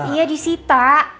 iya di sita